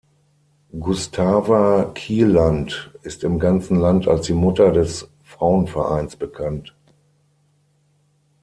Gustava Kielland ist im ganzen Land als die Mutter des Frauenvereins bekannt.